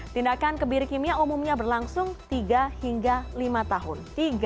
tindakan kebiri kimia umumnya berlangsung tiga hingga lima tahun